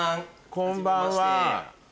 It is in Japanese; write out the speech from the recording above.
こんばんは。